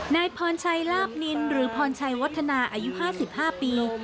นายพรชัยลาบนินหรือพรชัยวัฒนาอายุ๕๕ปี